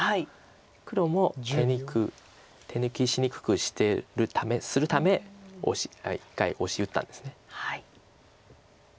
黒も手抜きしにくくするため一回オシ打ったんです。